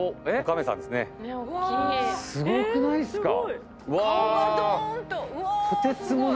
すごくないっすか？